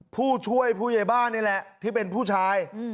ผู้ช่วยผู้ใหญ่บ้านนี่แหละที่เป็นผู้ชาย